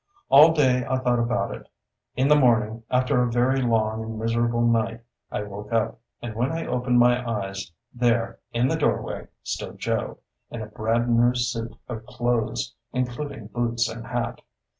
All day I thought about it. In the morning, after a very long and miserable night, I woke up, and when I opened my eyes, there, in the doorway, stood Joe, in a brand new suit of clothes, including boots and hat.